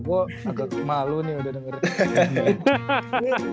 gue agak malu nih udah denger